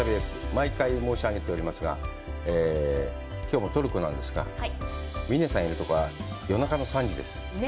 毎回、申し上げておりますが、きょうもトルコなんですが、みねさんがいるところは夜中の３時です。